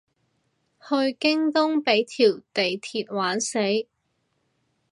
去東京畀條地鐵玩死